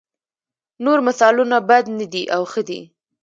نور مثالونه بد نه دي او ښه دي.